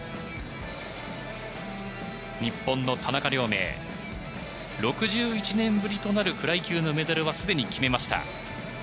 日本の田中亮明、６１年ぶりとなるフライ級のメダルはすでに確定しました。